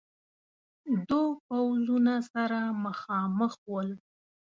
دو پوځونه سره مخامخ ول.